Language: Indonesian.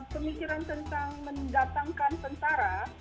pemikiran tentang mendatangkan tentara